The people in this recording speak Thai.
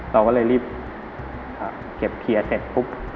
เราก็เลยรีบเก็บเคลียร์เสร็จปุ๊บ